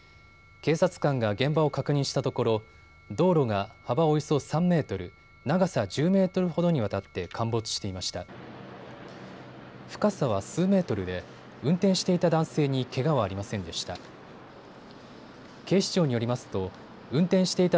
警察官が現場を確認したところ道路が幅およそ３メートル、長さ１０メートルほどにわたって陥没していました。